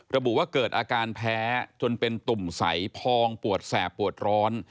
ระบุว่าเกิดอาการแพ้จนเป็นตุ่มใสพองปวดแสบปวดร้อน